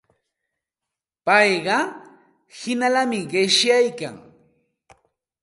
Payqa hinallami qishyaykan.